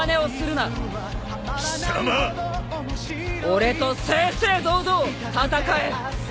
俺と正々堂々戦え。